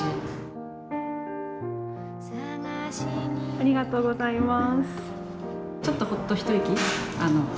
ありがとうございます。